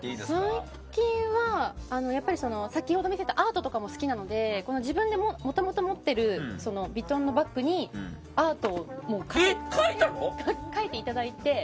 最近はやっぱり先ほど見せたアートとかも好きなので自分でもともと持っているヴィトンのバッグにアートを描いていただいて。